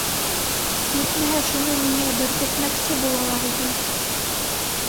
Етмәһә, шуны миңә беркетмәксе булалар бит!